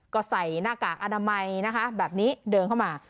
ก็ใส่หน้ากากอนามัยนะคะแบบนี้เดินเข้ามา